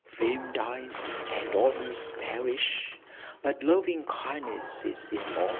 Fame dies, and honours perish, but "loving kindness" is immortal.